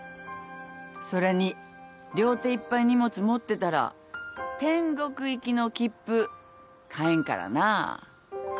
それに両手いっぱい荷物持ってたら天国行きの切符買えんからな。